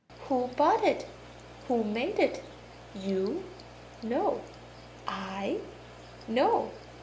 Who bought it? Who made it? You? No. I? No.